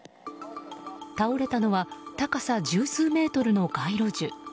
倒れたのは高さ十数メートルの街路樹。